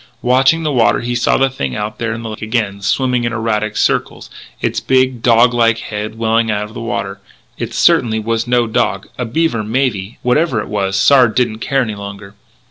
Watching the water he saw the thing out there in the lake again, swimming in erratic circles, its big, dog like head well out of the water. It certainly was no dog. A beaver, maybe. Whatever it was, Sard didn't care any longer.